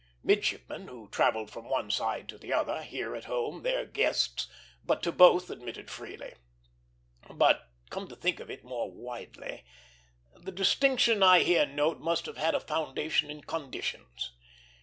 Midshipmen, we travelled from one side to the other; here at home, there guests, but to both admitted freely. But, come to think of it more widely, the distinction I here note must have had a foundation in conditions.